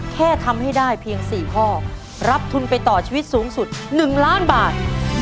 แค่ทำให้ได้เพียง๔ข้อรับทุนไปต่อชีวิตสูงสุด๑ล้านบาท